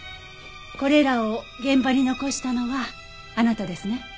これらを現場に残したのはあなたですね？